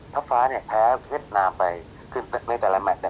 ถ้าฟ้าเนี่ยแพ้เวียดนามไปคือในแต่ละแมทเนี่ย